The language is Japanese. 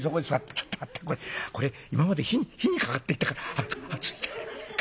「ちょっと待ってこれこれ今まで火に火にかかっていたから熱い熱いじゃありませんか。